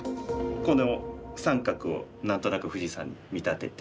この三角を何となく富士山に見立てて。